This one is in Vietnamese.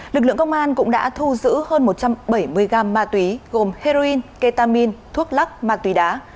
lực lượng công an cũng đã thu giữ hơn một trăm bảy mươi gram ma túy gồm heroin ketamin thuốc lắc ma túy đá